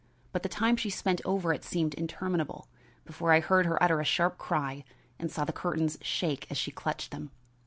But the time she spent over it seemed interminable before I heard her utter a sharp cry and saw the curtains shake as she clutched them.